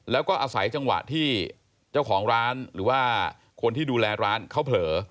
แล้วก็อาศัยจังหวะที่เจ้าของร้านหรือว่าคนที่ดูแลร้านเขาเผลอ